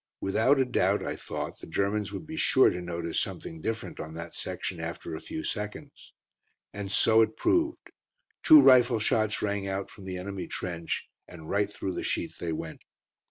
Without a doubt, I thought, the Germans would be sure to notice something different on that section after a few seconds. And so it proved. Two rifle shots rang out from the enemy trench, and right through the sheet they went.